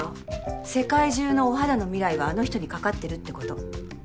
世界中のお肌の未来はあの人にかかってるってこと。